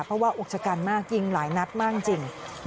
เพราะว่าอุกชะกันมากยิงหลายนัดมากจริง